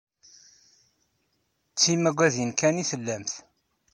D timaggadin kan ay tellamt.